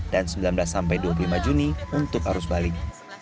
dan sembilan belas dua puluh lima juni untuk arus balik